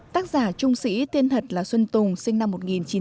tác giả trung sĩ tiên thật là xuân tùng sinh năm một nghìn chín trăm bảy mươi